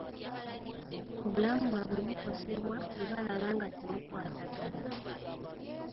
Obulamu bwabwe bukosebwa bwe babalaba nga temukwatagana.